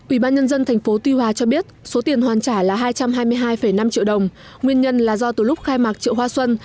ubnd tp tuy hòa cho biết số tiền hoàn trả là hai trăm hai mươi hai năm triệu đồng nguyên nhân là do từ lúc khai mạc chợ hoa xuân